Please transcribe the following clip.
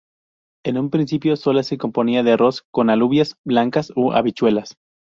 En un principio solo se componía de arroz con alubias blancas o habichuelas.